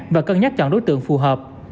và cân nhắc chọn đối tượng phù hợp